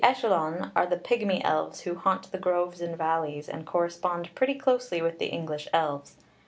The Ellyllon are the pigmy elves who haunt the groves and valleys, and correspond pretty closely with the English elves.